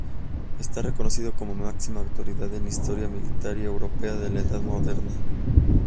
Está reconocido como máxima autoridad en Historia Militar y Europea de la Edad Moderna.